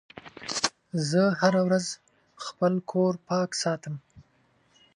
زه هره ورځ خپل کور پاک ساتم.